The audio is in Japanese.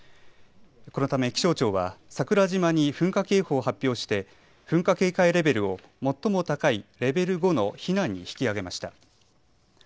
このため気象庁は桜島に噴火警報を発表して噴火警戒レベルを最も高いレベル５の避難に引き上げました。